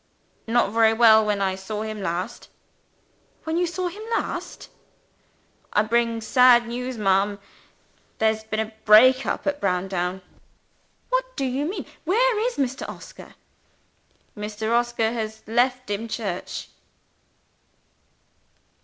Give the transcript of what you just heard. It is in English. "Not very well, when I saw him last." "When you saw him last?" "I bring sad news, ma'am. There's a break up at Browndown." "What do you mean? Where is Mr. Oscar?" "Mr. Oscar has left Dimchurch."